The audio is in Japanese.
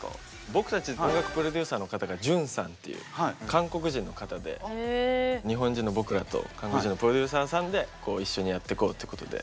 僕たち音楽プロデューサーの方がＪＵＮＥさんっていう韓国人の方で日本人の僕らと韓国人のプロデューサーさんでこう一緒にやってこうってことで。